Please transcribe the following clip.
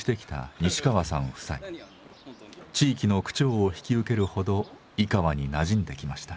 地域の区長を引き受けるほど井川になじんできました。